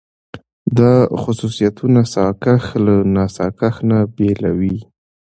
دا خصوصيتونه ساکښ له ناساکښ نه بېلوي.